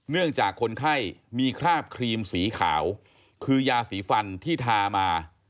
เนื่องจากคนไข้มีคราบครีมสีขาวคือยาสีฟันที่ทามา